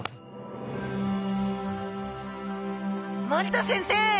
森田先生